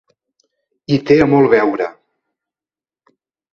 Hi té a molt veure.